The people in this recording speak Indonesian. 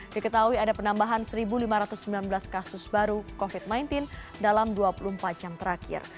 diketahui ada penambahan satu lima ratus sembilan belas kasus baru covid sembilan belas dalam dua puluh empat jam terakhir